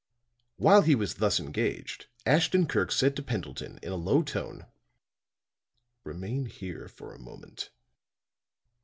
While he was thus engaged, Ashton Kirk said to Pendleton in a low tone: "Remain here for a moment."